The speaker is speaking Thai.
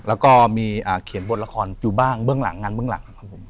แล้วก็มีเขียนบทละครอยู่บ้างเบื้องหลังงานเบื้องหลังครับผม